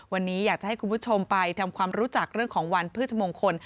วันนี้อยากจะให้คุณผู้ชมไปทำความรู้จักเรื่องของวันพฤชมงคล